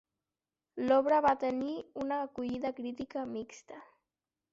L'obra va tenir una acollida crítica mixta.